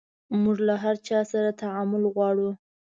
موژ له هر چا سره تعامل غواړو